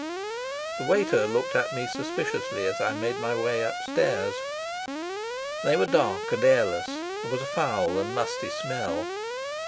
The waiter looked at me suspiciously as I made my way upstairs. They were dark and airless. There was a foul and musty smell.